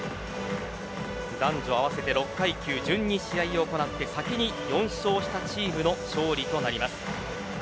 男女合わせて６階級、順に試合を行って先に４勝したチームの勝利となります。